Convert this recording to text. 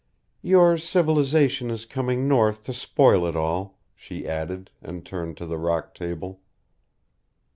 "Your civilization is coming north to spoil it all," she added, and turned to the rock table.